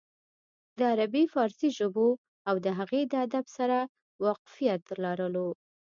د عربي فارسي ژبو او د هغې د ادب سره واقفيت لرلو